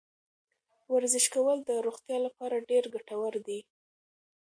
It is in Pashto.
ورزش کول د روغتیا لپاره ډېر ګټور دی.